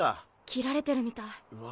切られてるみたい。